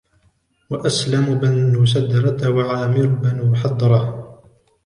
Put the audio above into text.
وَأَسْلَمُ بْنُ سَدْرَةَ وَعَامِرُ بْنُ حَدْرَةَ